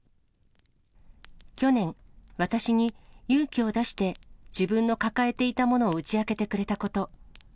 去年、私に勇気を出して、自分の抱えていたものを打ち明けてくれたこと。